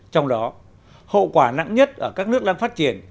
trong đó hậu quả nặng nhất ở các nước đang phát triển